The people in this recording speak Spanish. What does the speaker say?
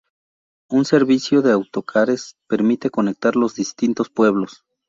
Un servicio de autocares permite conectar los distintos pueblos.